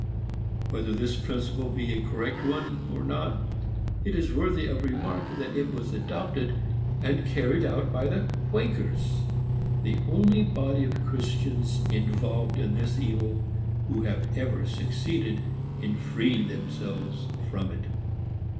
Whether this principle be a correct one, or not, it is worthy of remark that it was adopted and carried out by the Quakers,—the only body of Christians involved in this evil who have ever succeeded in freeing themselves from it.